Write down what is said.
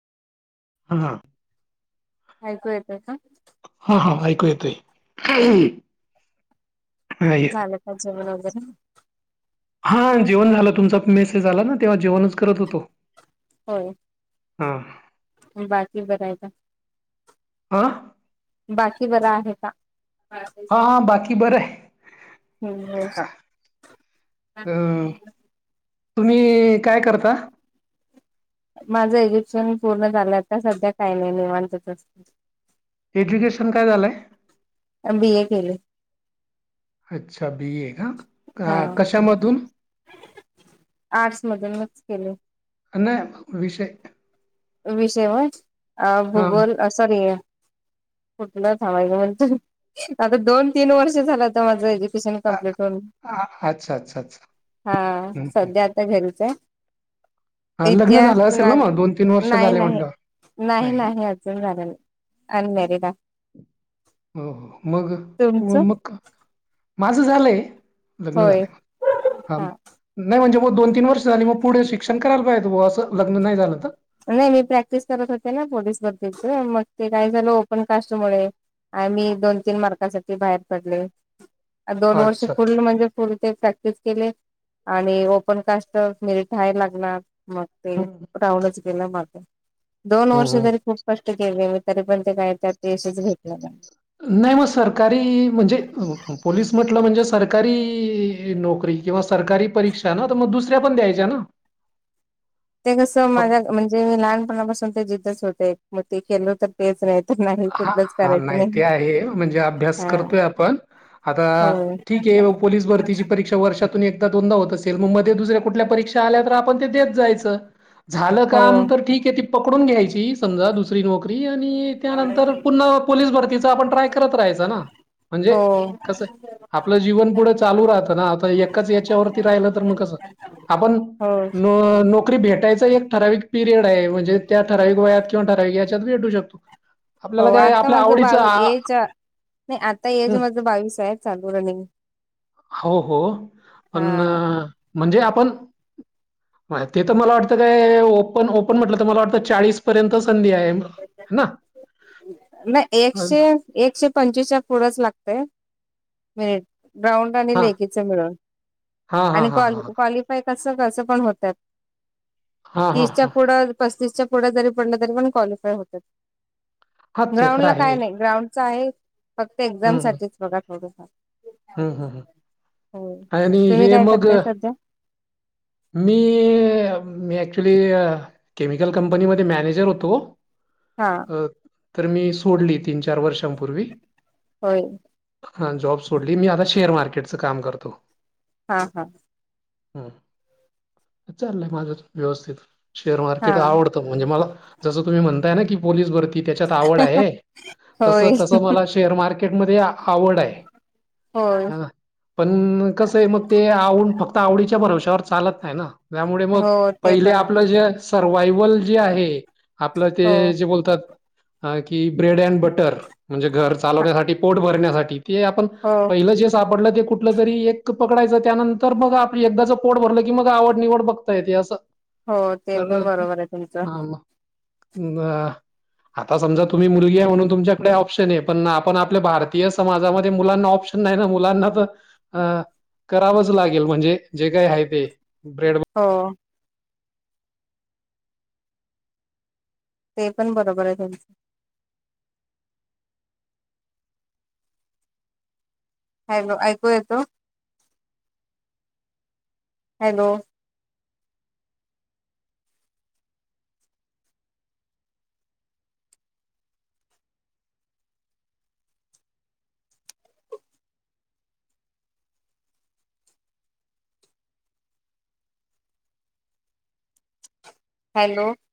हा हां ऐकू येतोय का हा हा ऐकू येतोय नाही. झालं का जेवन वगैरे हा जेवण झालं तुमचा मेसेज आला ना तेव्हा जेवणच करत होतो होय हा बाकी बराय का आं बाकी बर आहे का हां हां बाकी बरंय. हम्म. अ तुम्ही काय करता. माझं एज्युकेशन पूर्ण झालं आता, सध्या काही नाही निवांतच असते. एज्युकेशन काय झालंय. बी ए केले अच्छा बीए का कशामधून आर्टस मधून मिक्स केले नाही विषय विषयवर अ हां, भूगोल सॉरी आहे कुठलं म्हण आता दोन तीन वर्ष झालं तर माझा अ कप् हो अ अच्छा, अच्छा, अच्छा. हा हं, हं. सध्या घरीच आहे, हां, लग्न इतिहास. झालं असेल ना मग दोन तीन वर्ष. नाही झाले नाही, म्हटल्यावर नाही नाही अजून झालं नाही, अनमॅरिड आहे. हो हो, मग तुमचं? मग माझं झालंय, लग्न होय. झालंय. हा हाम. नाही म्हणजे मग दोन तीन वर्ष झाली मग पुढे शिक्षण कराला पायजे होत बाबा, असं लग्न नाही झालं तर. नाही मी प्रॅक्टिस करत होते ना पोलिस भरतीचे, मग ते काय झालं ओपन कास्टमुळे. आ मी दोन तीन मार्कासाठी बाहेर पडले, दोन वर्ष अच्छा. फुल म्हणजे. फुल ते प्रॅक्टिस केले, आणि ओपन कास्ट मेरिट हाय लागणार. मग ते हम्म राहूनच गेलं मागे, दोन वर्ष हम्म तरी खूप. स्पष्ट केले मी तरी पण, ते काय त्यात यशच भेटल नाही. नाही मग सरकारी म्हणजे, पोलीस म्हटलं म्हणजे सरकारी नोकरी. किंवा सरकारी परीक्षा ना, तर मग दुसऱ्या पण द्यायच्या ना. ते कसं फक्त माझ्या म्हणजे मी लहानपणापासून ते जिद्दच होते, मग ते केलो तर तेच नाही तर नाही हा कुठलंच हा करायचं नाही ते आहे म्हणजे, अभ्यास हा करतोय आपण. आता होय ठीक आहे, पोलीस भरतीची परीक्षा. वर्षातून एकदा दोनदा होत असेल, मग मध्ये दुसऱ्या कुठल्या परीक्षा आल्या तर आपण ते देत जायचं. झालं हो काम तर ठीक आहे, ती पकडून घ्यायची समजा दुसरी नोकरी आणि त्यानंतर पुन्हा पोलीस भरतीचा आपण ट्राय करत राहायच ना. म्हणजे हो. कसं आपलं जीवन पुढं चालू राहतं ना, आता एकाच याच्यावरती राहिलं तर मग कसं. आपण न हो नोक. नोकरी भेटायचा एक ठराविक पिरियड आहे, म्हणजे त्या ठराविक वयात किंवा ठराविक याच्यात भेटू शकतो. हो आपल्याला काय आता आपल्या माझ आवडीचा बावी एज नाही आता एज माझ बावीस आहे चालू रनिंग. हो हो पण. हा म्हणजे आपण ते तर मला वाटतं काय ओपन ओपन म्हटलं तर मला वाटतं चाळीस. पर्यंत संधी आहे ना. नाही हा एकशे. एकशे पंचवीस च्या पुढच लागतय मेरिट ग्राउंड. हा लेखीच मिळून हा हा आणि हा हा क्वालिफाय कस कस पण होतय. हा हा तीसच्या हा पुढं पस्तीसच्या पुढे जरी पडलं तरी पण क्वालिफाय होतय. हा, ते ग्राउंड तर ला आहे काय नाही ग्राउंडच आहे. फक्त हम्म एक्झाम हम्म साठीच बघा थोडफार. हम्म हम्म. हो, आणि तुम्ही हे काय मग करताय सध्या. मी मी ॲक्चुली. केमिकल कंपनीमध्ये मॅनेजर होतो. हा. तर, तर मी सोडली तीन चार वर्षांपूर्वी. होय. हा जॉब सोडली, मी आता शेअर मार्केटचं काम करतो. हा हा. ह चाललंय माझ व्यवस्थित शेअर हा मार्केट आवडत. म्हणजे मला जस तुम्ही म्हणताय क पसर. ती त्याच्यात आवड आहे, होय तसं तसं मला शेअर मार्केटमध्ये. आवड आहे. होय पण कसं आहे मग ते आवड फक्त आवडीच्या भरवश्यावर चालत नाही ना. त्यामुळे हो मग ते पहिले पण आपलं आहे जे सर्वायवल जे आहे. आपलं ते हो जे बोलतात. ह की ब्रेड अँड बटर म्हणजे घर चालवण्यासाठी पोट भरण्यासाठी ते आपण हो पहिलं जे सापडलं ते कुठलं तरी एक पकडायचं त्यानंतर बग आप एकदाच पोड भरलं. ी मग आवड निवड बघता येते असं. हो ते तर पण बरोबर आहे तुमचं? हा [unintelligible] आता समजा तुम्ही मुलगी आहे म्हणून तुमच्याकडे ऑप्शन आहे पण आपण आपल्या भारतीय समाजामध्ये मुलांना ऑप्शन मुलाना करा लाे म्हणजे जे का ब हो. ते पण बरोबर आहे तुमच? हॅलो ऐकू येतो. Hello hello